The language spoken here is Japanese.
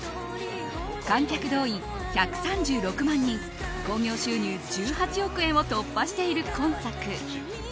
観客動員１３６万人興行収入１８億円を突破している今作。